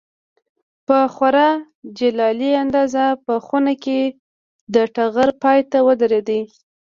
په خورا جلالي انداز په خونه کې د ټغر پای ته ودرېد.